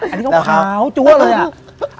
อันนี้ขาวจั๊วเลยอ่ะ